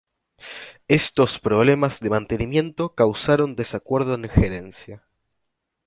Estos problemas de mantenimiento causaron desacuerdo en gerencia.